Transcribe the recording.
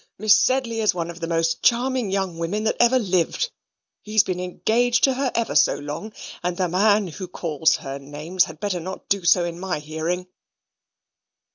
Miss Sedley is one of the most charming young women that ever lived. He's been engaged to her ever so long; and the man who calls her names had better not do so in my hearing."